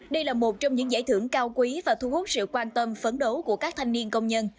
đây là một trong những giải thưởng cao quý và thu hút sự quan tâm phấn đấu của các thanh niên công nhân